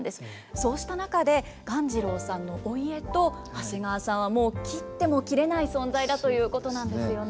そうした中で鴈治郎さんのお家と長谷川さんはもう切っても切れない存在だということなんですよね。